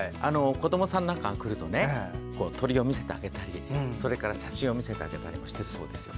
子どもさんなんか来ると鳥を見せてあげたり写真を見せてあげたりしているそうですよ。